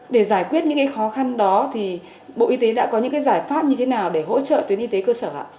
để giải quyết những khó khăn đó thì bộ y tế đã có những giải pháp như thế nào để hỗ trợ tuyến y tế cơ sở ạ